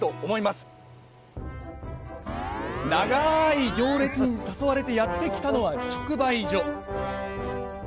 ながい行列に誘われてやって来たのは、直売所。